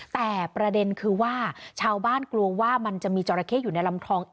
แต่ประเด็นคือว่าชาวบ้านกลัวว่ามันจะมีจราเข้อยู่ในลำคลอง